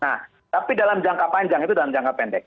nah tapi dalam jangka panjang itu dalam jangka pendek